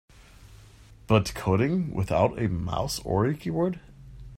But coding without a mouse or a keyboard?